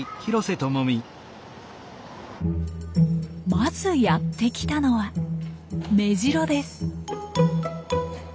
まずやって来たのはメジロです。